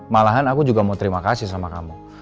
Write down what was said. malahan aku juga mau terima kasih sama kamu